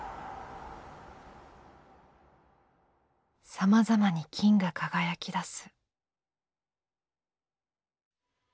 さまざまに金が輝きだす。